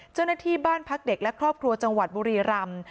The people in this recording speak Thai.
เจ้าหน้าที่บ้านพักเด็กและครอบครัวจังหวัดบุรีรำ